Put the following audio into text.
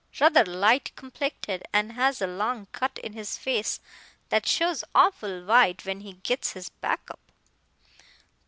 Ruther light complected, and has a long cut in his face that shows awful white when he gits his back up.